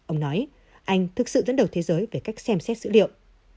ông nói anh thực sự dẫn đầu thế giới về cách xem xét dữ liệu